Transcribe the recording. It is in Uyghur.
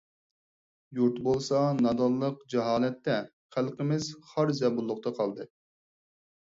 يۇرت بولسا نادانلىق، جاھالەتتە، خەلقىمىز خار-زەبۇنلۇقتا قالدى.